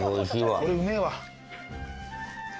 これうめぇわ。